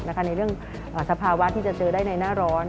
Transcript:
ในเรื่องสภาวะที่จะเจอได้ในหน้าร้อน